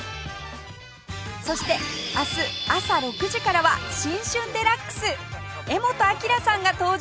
そして明日朝６時からは『新春デラックス』柄本明さんが登場